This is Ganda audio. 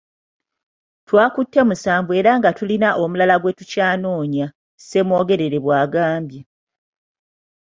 "Twakutteko musanvu era nga tulina omulala gwe tukyanoonya,” Ssemwogerere bw'agambye.